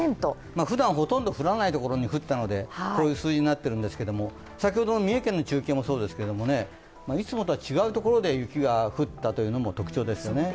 ふだんほとんど降らない所に降ったのでこういう数字になっているんですけれども、先ほどの三重県の中継もそうですけれども、いつもとは違う所で雪が降ったのも特徴的ですよね。